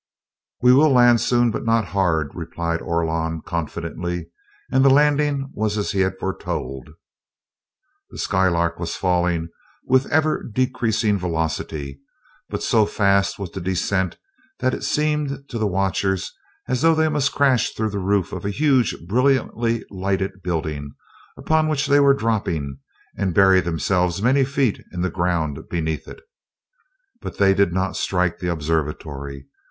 "We will land soon, but not hard," replied Orlon confidently, and the landing was as he had foretold. The Skylark was falling with an ever decreasing velocity, but so fast was the descent that it seemed to the watchers as though they must crash through the roof of the huge brilliantly lighted building upon which they were dropping and bury themselves many feet in the ground beneath it. But they did not strike the observatory.